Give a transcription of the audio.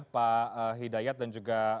pak hidayat dan juga